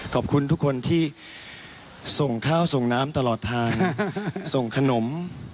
ขอบคุณทุกคนที่ส่งข้าวส่งน้ำตลอดทางส่งขนม